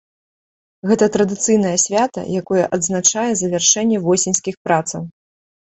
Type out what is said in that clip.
Гэта традыцыйнае свята, якое адзначае завяршэнне восеньскіх працаў.